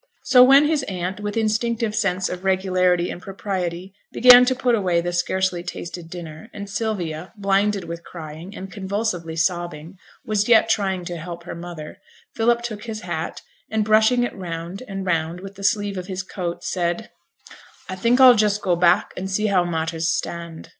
So when his aunt, with instinctive sense of regularity and propriety, began to put away the scarcely tasted dinner, and Sylvia, blinded with crying, and convulsively sobbing, was yet trying to help her mother, Philip took his hat, and brushing it round and round with the sleeve of his coat, said, 'I think I'll just go back, and see how matters stand.'